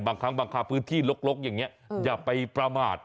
บางครั้งบางคราพื้นที่ลกอย่างนี้อย่าไปประมาท